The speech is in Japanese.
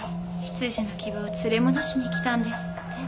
執事の木場を連れ戻しに来たんですって。